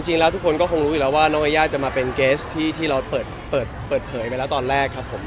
จริงแล้วทุกคนก็คงรู้อยู่แล้วว่าน้องยายาจะมาเป็นเกสที่เราเปิดเผยไปแล้วตอนแรกครับผม